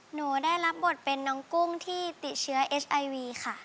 หนูได้รับบทเป็นน้องกุ้งที่ติดเชื้อเอสไอวีค่ะ